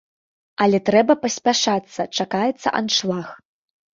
Але трэба паспяшацца, чакаецца аншлаг.